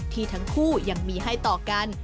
ที่ทั้งคู่ยังมีให้ต่อกัน